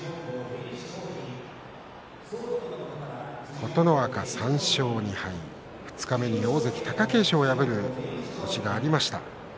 琴ノ若、３勝２敗二日目に大関貴景勝を破る星がありました。